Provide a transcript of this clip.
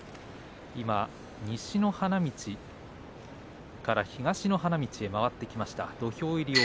今、西の花道の力士が東の花道に回ってきました。